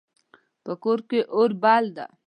په کور کې اور بل ده